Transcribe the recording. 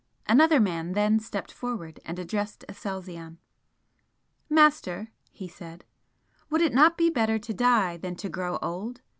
Another man then stepped forward and addressed Aselzion. "Master" he said, "would it not be better to die than to grow old?